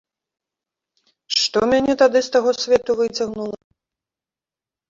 Што мяне тады з таго свету выцягнула?